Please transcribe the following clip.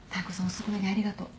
遅くまでありがとう。